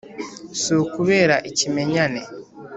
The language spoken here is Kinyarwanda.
si ukubera ikimenyane